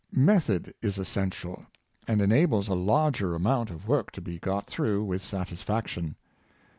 Method is essential, and enables a larger amount of work to be got through with satisfaction.